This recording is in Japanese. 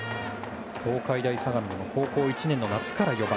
東海大相模の高校１年の夏から４番。